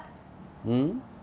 うん？